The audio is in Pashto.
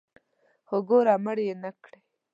خو ګوره مړ مې نکړې.